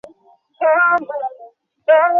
দেখ আমি তোর জন্য কি এনেছি!